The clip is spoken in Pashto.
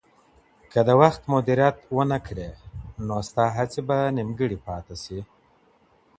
که د وخت مدیریت ونه کړې، نو ستا هڅې به نیمګړې پاتې شي.